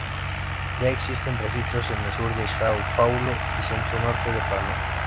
Ya existen registros en el sur de São Paulo y centro norte de Paraná.